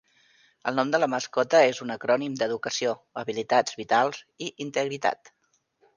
El nom de la mascota és un acrònim d'educació, habilitats vitals i integritat.